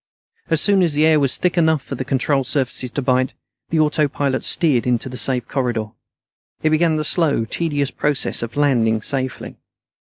As soon as the air was thick enough for the control surfaces to bite, the autopilot steered into the safe corridor. It began the slow, tedious process of landing safely.